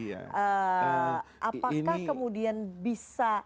apakah kemudian bisa